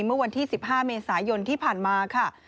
เมื่อวันที่๑๕เมษายนที่ผ่านมาค่ะ